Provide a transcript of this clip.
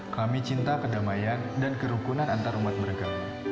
kami cinta kedamaian dan kerukunan antarumat mereka